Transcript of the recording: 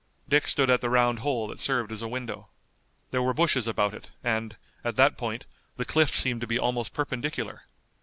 Dick stood at the round hole that served as a window. There were bushes about it, and, at that point, the cliff seemed to be almost perpendicular.